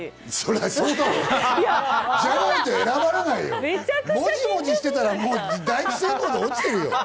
そりゃそうだろ！じゃないと選ばれないだろ、モジモジしていたら第１選考で落ちてるよ。